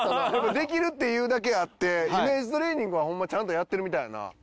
できるって言うだけあってイメージトレーニングはホンマちゃんとやってるみたいやな。